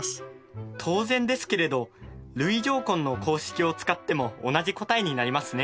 当然ですけれど累乗根の公式を使っても同じ答えになりますね。